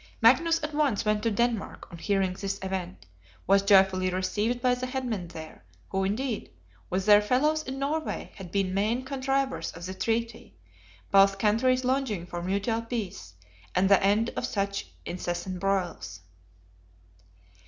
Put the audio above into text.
Magnus at once went to Denmark on hearing this event; was joyfully received by the headmen there, who indeed, with their fellows in Norway, had been main contrivers of the Treaty; both Countries longing for mutual peace, and the end of such incessant broils.